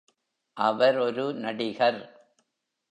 அவர் ஒரு நடிகர்.